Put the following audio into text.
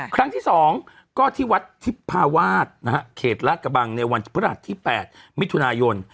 ครั้งที่๒ก็ที่วัดทิพพาวาสเขตลาดกระบังในวันพระหัสที่๘มิถุนายน